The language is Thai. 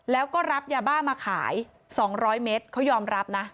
แล้วก็รับยาบ้ามาขาย๒๐๐เมตรเขายอมรับนะ